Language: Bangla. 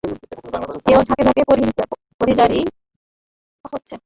কেউ ঝাঁকে ঝাঁকে পরিযায়ী হচ্ছে।